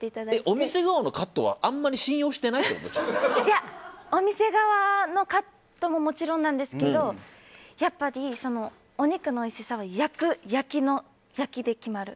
お店側のカットはあまり信用していないいや、お店側のカットももちろんなんですけどやっぱり、お肉のおいしさは焼きで決まる。